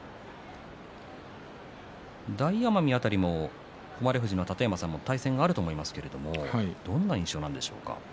大奄美辺りも誉富士の楯山さんも対戦があると思いますがどんな印象なんでしょうか？